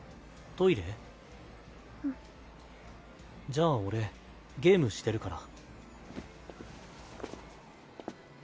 じゃあ俺ゲームしてるから。